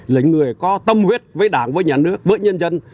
là người có tâm huyết với đảng với nhà nước với nhân dân